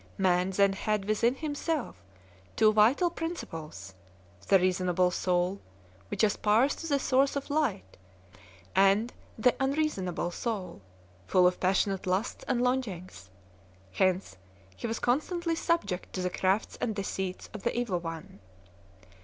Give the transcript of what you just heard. Man then had within himself two vital principles, the reasonable soul, which aspires to the source of light, and the unreasonable soul, full of passionate lusts and longings; hence he was constantly subject to the crafts and deceits of the evil one.